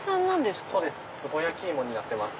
つぼ焼き芋になってます。